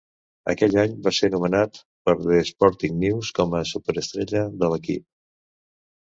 Aquell any, va ser nomenat per "The Sporting News" com la superestrella de l'equip.